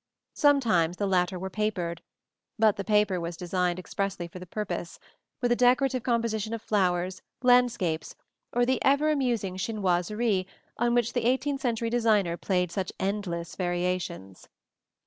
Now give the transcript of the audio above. Sometimes the latter were papered; but the paper used was designed expressly for the purpose, with a decorative composition of flowers, landscapes, or the ever amusing chinoiseries on which the eighteenth century designer played such endless variations.